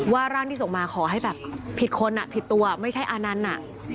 ร่างที่ส่งมาขอให้แบบผิดคนอ่ะผิดตัวไม่ใช่อานันต์น่ะ